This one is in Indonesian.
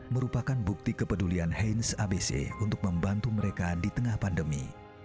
merupakan bukti kepedulian heinz abc untuk membantu mereka di tengah pandemi